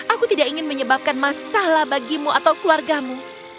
aku tidak ingin menyebabkan masalah bagimu atau keluargamu